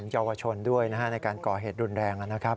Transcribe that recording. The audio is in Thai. เยาวชนด้วยในการก่อเหตุรุนแรงนะครับ